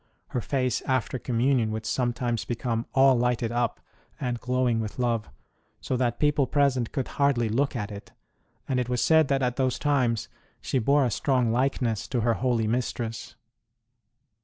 Her face after Communion would sometimes become all lighted up and glow ing with love, so that people present could hardly look at it, and it was said that at those times she bore a strong likeness to her holy mistress.